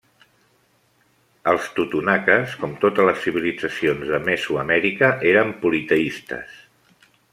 Els totonaques, com totes les civilitzacions de Mesoamèrica, eren politeistes.